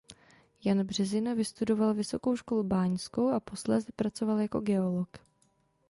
Jan Březina vystudoval Vysokou školu báňskou a posléze pracoval jako geolog.